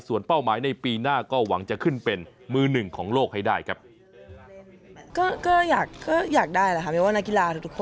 ส่วนเป้าหมายในปีหน้าก็หวังจะขึ้นเป็นมือหนึ่งของโลกให้ได้ครับ